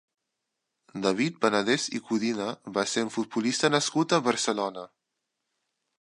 David Panadès i Codina va ser un futbolista nascut a Barcelona.